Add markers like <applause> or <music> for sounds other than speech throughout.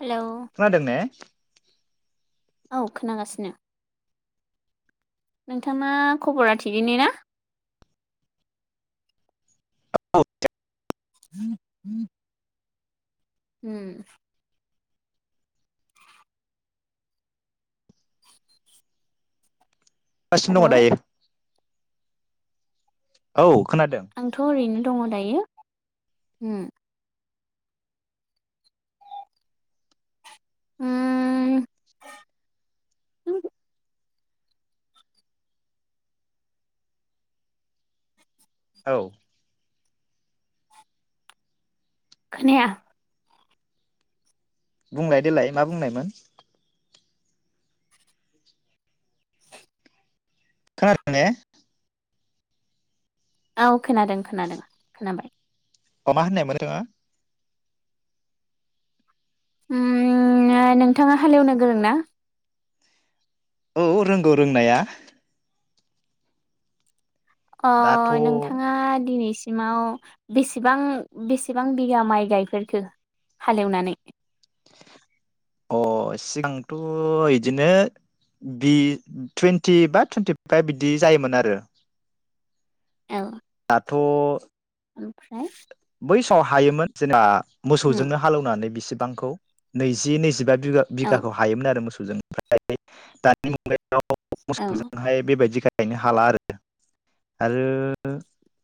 Hello खोनादों ने औ खोनागासिनो। नोंथांना खबरा थिगैनो ना <unintelligible> <inaudible> उम बासिनो हेलौ दङ दायो औ खोनादों आंथ' ओरैनो दङ दायो उम उम औ खोनाया बुंलाय देलाय मा बुंनायमोन खोनादों ने औ खोनादों खोनादों खोनाबाय अमा होननाय <inaudible> उम नोंथाङा हालेवनो गोरों ना औ रोंगौ रोंनाया अ दाथ' नोंथाङा दिनैस सिमाव बेसेबां बेसेबां बिगा माइ गायफेरखो हालेवनानै अ सिगांथ' इदिनो बि टुइन्टि बा टुइन्टि फाइभ बिदि जायोमोन आरो औ दाथ' ओमफ्राय बैसाव हायोमोन जोंना उम मोसौजोंनो हालौनानै बिसोर बांखौ नैजि नैजिबा बिगा औ बिघाखौ हायोमोन मोसौ <unintelligible> औ मोसौजोंहाय बेबायदिखाय गायनो हाला आरो आरो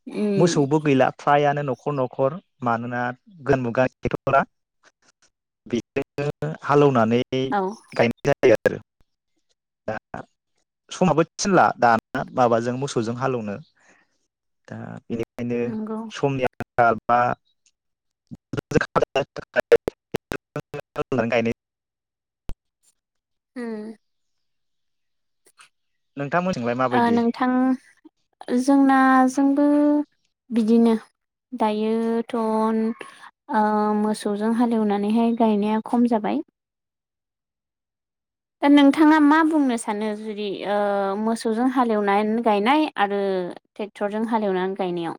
उम मोसौबो गैला फ्रायानो न'खर न'खर मानोना <unintelligible> औ <unintelligible> गायनाय जायो आरो दा समाबो थिनला दाना माबाजों मोसौजों हालेवनो दा बे ओंखायनो नंगौ समनि बा बा गायनाय ओम नों ओ नोंथां जोंना जोंबो बिदिनो दायोथ' ओ मोसौजों हालेवनानैहाय गायनाया खम जाबाय दा नोंथाङा मा बुंनो सानो जुदि ओ मोसौजों हालेवनानै गायनाय आरो ट्रेक्टरजों हालेवनानै गायनायाव